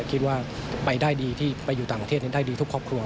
คิดว่าไปได้ดีที่ไปอยู่ต่างประเทศนั้นได้ดีทุกครอบครัว